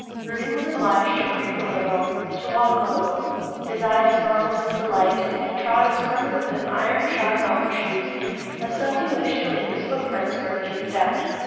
Rudy was obliged to creep a little, to walk a little, his eyes sparkled with delight, and he trod as firmly with his iron shod mountain shoes, as though he wished to leave his foot prints where he had stepped.